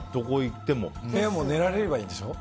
部屋も寝られればいいんでしょ？